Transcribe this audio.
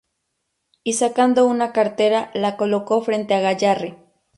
Y sacando una cartera la colocó frente a Gayarre.